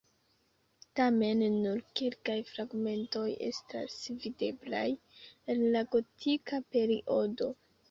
Tamen nur kelkaj fragmentoj estas videblaj el la gotika periodo.